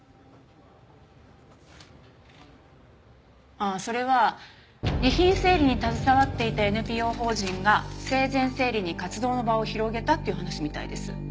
ああそれは遺品整理に携わっていたＮＰＯ法人が生前整理に活動の場を広げたっていう話みたいです。